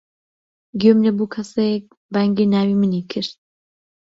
گوێم لێ بوو کەسێک بانگی ناوی منی کرد.